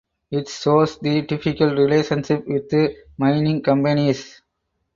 It shows the difficult relationship with mining companies.